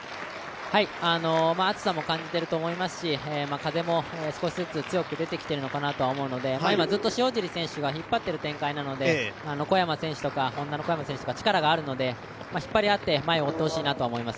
暑さも感じていると思いますし、風も少しずつ強く出てきているのかなと思うので今、塩尻選手がずっと引っ張っている展開なので、Ｈｏｎｄａの小山選手とか力があるので引っ張り合って、前を追ってほしいなと思います。